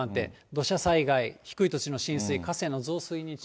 土砂災害、低い土地の浸水、河川の増水に注意。